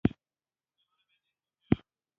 نجلۍ د طبیعت ښایست ده.